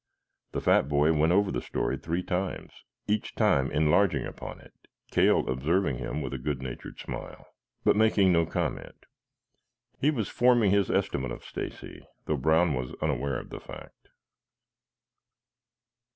The fat boy went over the story three times, each time enlarging upon it, Cale observing him with a good natured smile, but making no comment. He was forming his estimate of Stacy, though Brown was unaware of the fact.